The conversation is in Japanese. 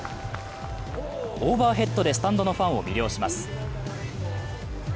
オーバーヘッドでスタンドのファンを魅了します。